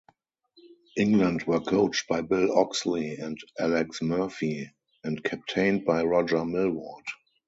England were coached by Bill Oxley and Alex Murphy, and captained by Roger Millward.